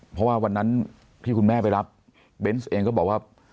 เพราะว่าวันนั้นที่คุณแม่ไปรับเบนส์เองก็บอกว่า